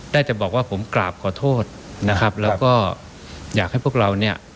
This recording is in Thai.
ได้แต่บอกว่าผมกราบขอโทษนะครับแล้วก็อยากให้พวกเราเนี่ย